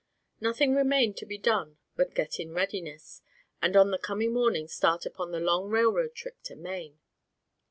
Nothing remained to be done but get in readiness, and on the coming morning start upon the long railroad trip to Maine.